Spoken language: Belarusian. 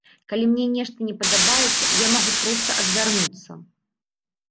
Калі мне нешта не падабаецца, я магу проста адвярнуцца.